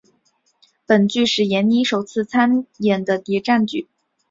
本剧是闫妮首次参演的谍战剧。